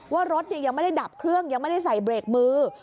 ว่ารถยังไม่ได้ดับเครื่องยังไม่ได้ใส่เบรกมือ